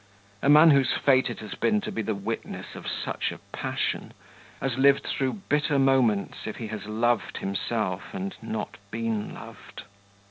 A man whose fate it has been to be the witness of such a passion, has lived through bitter moments if he has loved himself and not been loved.